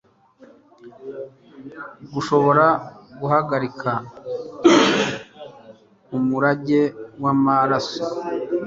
gushobora guhagarika umurage wamaraso